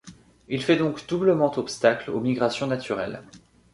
Il fait donc doublement obstacle aux migrations naturelles.